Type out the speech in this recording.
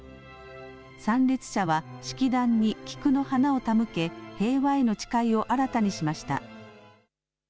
参列者は式壇に菊の花を手向け、平和への誓いを新たにしました。